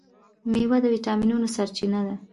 میوې د ویټامینونو سرچینه ده.